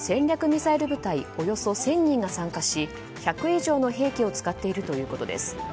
ミサイル部隊およそ１０００人が参加し１００以上の兵器を使っているということです。